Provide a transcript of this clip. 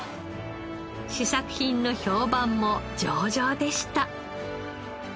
試作品の評判も上々でした。